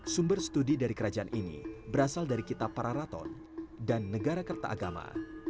sumber studi dari kerajaan ini berasal dari kitab para raton dan negara kerta agama